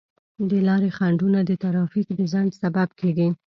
د لارې خنډونه د ترافیک د ځنډ سبب کیږي.